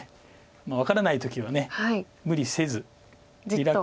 分からない時は無理せずリラックス。